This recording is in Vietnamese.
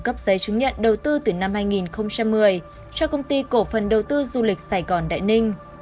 cấp giấy chứng nhận đầu tư từ năm hai nghìn một mươi cho công ty cổ phần đầu tư du lịch sài gòn đại ninh